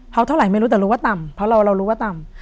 เท่าไหร่ไม่รู้แต่รู้ว่าต่ำเพราะเรารู้ว่าต่ำ